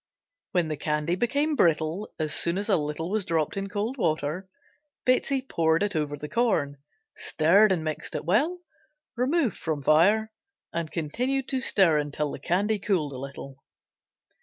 When the candy became brittle as soon as a little was dropped in cold water, Betsey poured it over the corn, stirred and mixed it well, removed from fire and continued to stir until the candy cooled a little.